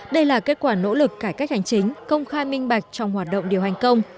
đây là kết quả nỗ lực cải cách hành chính công khai minh bạch trong hoạt động điều hành công